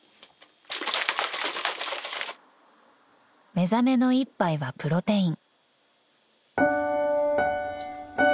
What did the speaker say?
［目覚めの一杯はプロテイン］